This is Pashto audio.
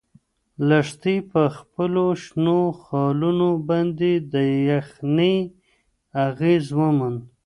لښتې په خپلو شنو خالونو باندې د یخنۍ اغیز وموند.